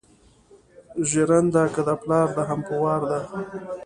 ژېرنده که ده پلار ده هم په وار ده